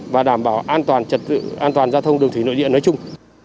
và đảm bảo an toàn giao thông đường thủy nội địa nói chung